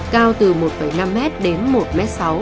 cao từ một năm m đến một m sáu